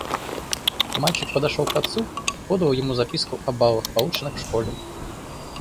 Мальчик подошел к отцу и подал ему записку о баллах, полученных в школе.